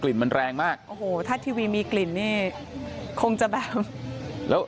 กลิ่นมันแรงมากโอ้โหถ้าทีวีมีกลิ่นนี่คงจะแบบ